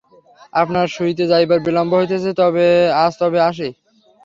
আপনার শুইতে যাইবার বিলম্ব হইতেছে, আজ তবে আসি।